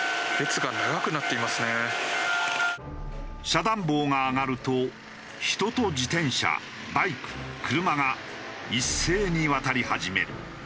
遮断棒が上がると人と自転車バイク車が一斉に渡り始める。